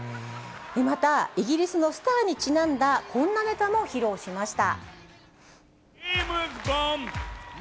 またイギリスのスターにちなんだこんなネタも披露しました。